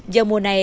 giờ mùa này